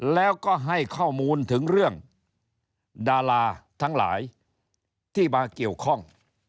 แล้วก็ให้ข้อมูลถึงเรื่องดาราทั้งหลายที่มาเกี่ยวข้อง